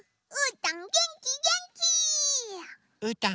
ううーたん！